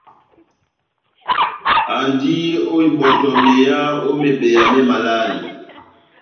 Andi ó ibɔtɔ meyá ó mebeya mé malale.